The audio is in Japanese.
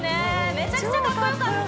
めちゃくちゃかっこよかった！